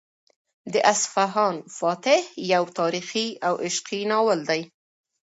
د اصفهان فاتح یو تاریخي او عشقي ناول دی.